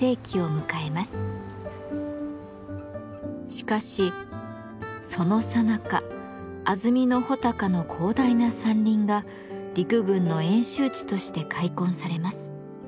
しかしそのさなか安曇野穂高の広大な山林が陸軍の演習地として開墾されます。